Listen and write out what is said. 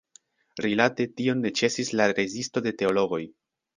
Rilate tion ne ĉesis la rezisto de teologoj.